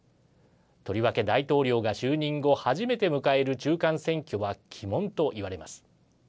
とりわけ大統領が就任後初めて迎える中間選挙は鬼門といわれます。